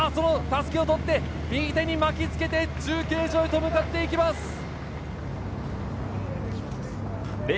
襷を取って右手に巻きつけて、中継所へと向かっていきます。